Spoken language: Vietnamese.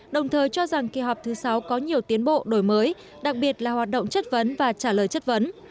đồng thời cho rằng kỳ họp thứ sáu có nhiều tiến bộ đổi mới đặc biệt là hoạt động chất vấn và trả lời chất vấn